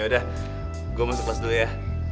udah gue masuk kelas dulu ya